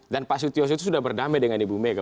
pak sutioso itu sudah berdamai dengan ibu mega